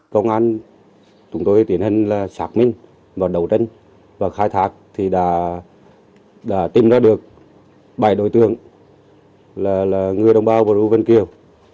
công an chúng tôi tiến hình xác minh và đầu trân và khai thác thì đã tìm ra được bảy đối tượng là người đồng bào bồn u vân kiều